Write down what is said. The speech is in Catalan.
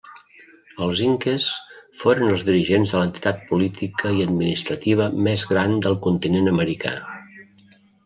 Els inques foren els dirigents de l'entitat política i administrativa més gran del continent americà.